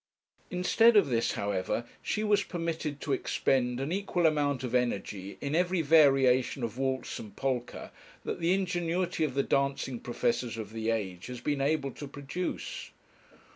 Instead of this, however, she was permitted to expend an equal amount of energy in every variation of waltz and polka that the ingenuity of the dancing professors of the age has been able to produce.